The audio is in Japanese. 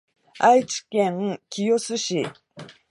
愛知県清須市